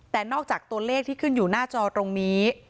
แต่นอกจากตัวเลขที่ขึ้นอยู่หน้าจอตรงนี้